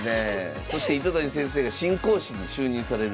そして糸谷先生が新講師に就任される。